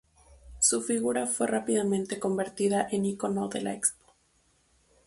Su figura fue rápidamente convertida en icono de la Expo.